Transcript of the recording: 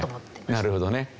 なるほどね。